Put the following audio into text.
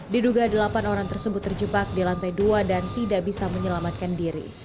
diduga delapan orang tersebut terjebak di lantai dua dan tidak bisa menyelamatkan diri